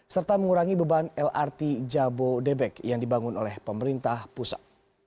serta mengurangi beban lrt jabodebek yang dibangun oleh pemerintah pusat